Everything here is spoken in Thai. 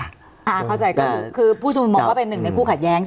คือผู้ชมมองก็เป็นหนึ่งในกู้ขัดแย้งใช่ไหมครับ